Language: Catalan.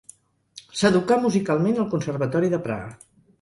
S'educà musicalment al Conservatori de Praga.